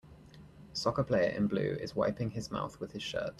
Soccer player in blue is wiping his mouth with his shirt.